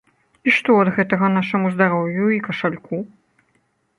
І што ад гэтага нашаму здароўю і кашальку?